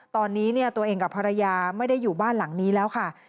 ตอนนี้ตัวเองกับภรรยาไม่ได้อยู่บ้านหลังนี้แล้วค่ะ